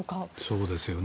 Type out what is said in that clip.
そうですよね。